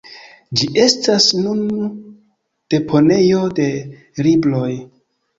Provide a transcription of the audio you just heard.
Ĝi estas nun deponejo de libroj.